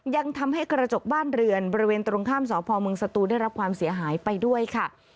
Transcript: ยังทำให้กระจกบ้านเรือนบริเวณตรงข้ามสพมสตูนได้รับความเสียหายไปด้วยค่ะ